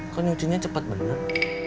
kok nyucinya cepat bener